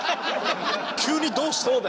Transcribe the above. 急にどうしたの？